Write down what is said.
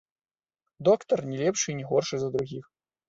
Доктар не лепшы і не горшы за другіх.